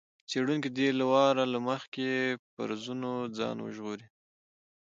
څېړونکی دې له وار له مخکې فرضونو ځان وژغوري.